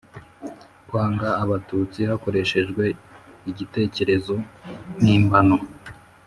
kwanga abatutsi hakoreshejwe igitekerezo mpimbano.